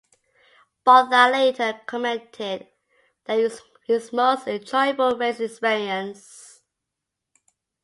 Botha later commented that it was his most enjoyable racing experience.